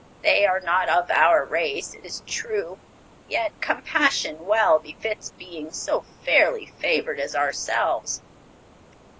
They are not of our race, it is true, yet compassion well befits beings so fairly favored as ourselves.